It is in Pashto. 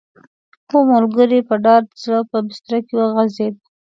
هر ملګری په ډاډه زړه په بستره کې وغځېد.